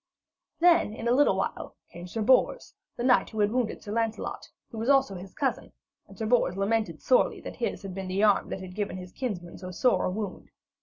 Then in a little while came Sir Bors, the knight who had wounded Sir Lancelot, who was also his cousin, and Sir Bors lamented sorely that his had been the arm that had given his kinsman so sore a wound.